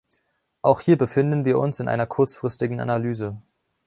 Auch hier befinden wir uns in einer kurzfristigen Analyse.